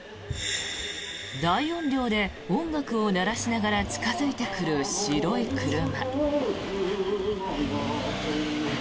大音量で音楽を鳴らしながら近付いてくる白い車。